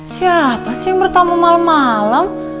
siapa sih yang bertamu malem malem